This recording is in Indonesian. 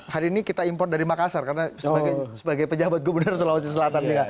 hari ini kita impor dari makassar karena sebagai pejabat gubernur sulawesi selatan juga